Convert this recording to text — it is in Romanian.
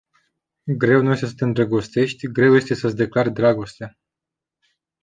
Greu nu este să te îndrăgostești, greu este să-ți declari dragostea.